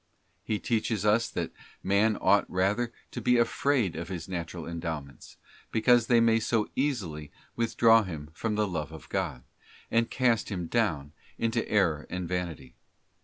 '* He teaches us that man ought rather to be afraid of his natural endowments, because they may so easily withdraw him from the love of God, and cast him down into error and vanity.